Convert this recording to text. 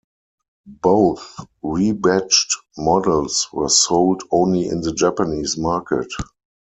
Both rebadged models were sold only in the Japanese market.